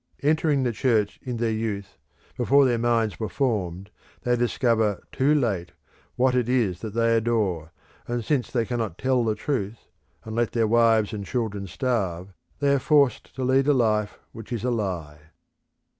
Entering the Church in their youth, before their minds were formed, they discover too late what it is that they adore, and since they cannot tell the truth, and let their wives and children starve, they are forced to lead a life which is a lie.